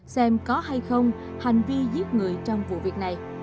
xem có hay không hành vi giết người trong vụ việc này